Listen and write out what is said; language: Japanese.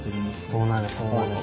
そうなんです。